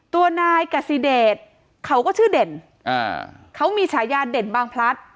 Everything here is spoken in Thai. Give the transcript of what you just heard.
ตัวนายกสิเดชเขาก็ชื่อเด่นอ่าเขามีฉายาเด่นบางพลัด